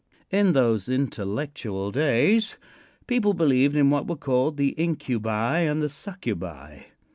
In those intellectual days people believed in what were called the Incubi and the Succubi.